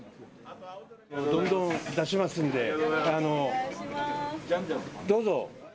どんどん出しますので、どうぞ。